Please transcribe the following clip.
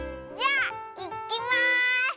じゃあいきます！